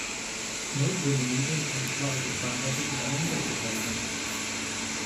Neugründungen ohne Kapital bezahlen häufig mit einer Umsatzbeteiligung.